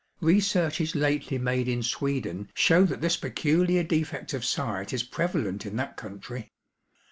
Researches lately made in Sweden shew that this peculiar defect of sight is prevalent in that country.